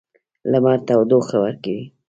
لمر تودوخه ورکوي.